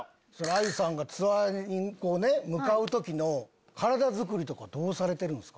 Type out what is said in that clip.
あゆさんがツアーに向かう時の体づくりどうされてるんですか？